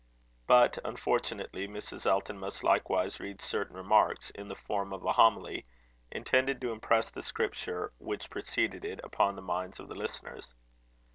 But, unfortunately, Mrs. Elton must likewise read certain remarks, in the form of a homily, intended to impress the scripture which preceded it upon the minds of the listeners.